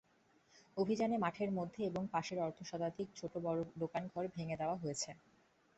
অভিযানে মাঠের মধ্যে এবং পাশের অর্ধশতাধিক ছোট-বড় দোকানঘর ভেঙে দেওয়া হয়েছে।